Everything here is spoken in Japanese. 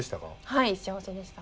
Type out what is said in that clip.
はい幸せでした。